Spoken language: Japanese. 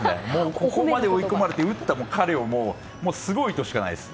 ここまで追い込まれて打った彼はすごい！しかないです。